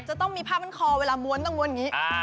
จะต้องมีผ้ามั่นคอเวลาม้วนต้องม้วนอย่างนี้